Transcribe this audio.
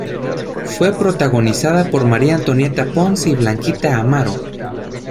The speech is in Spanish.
Fue protagonizada por María Antonieta Pons y Blanquita Amaro.